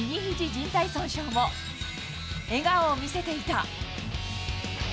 じん帯損傷も、笑顔を見せていた。